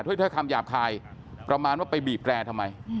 ถ้อยคำหยาบคายประมาณว่าไปบีบแร่ทำไม